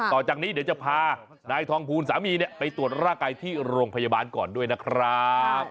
ต่อจากนี้เดี๋ยวจะพานายทองภูลสามีไปตรวจร่างกายที่โรงพยาบาลก่อนด้วยนะครับ